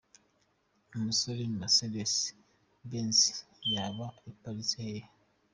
Umusore: Mercedes Benz yawe iparitse hehe?.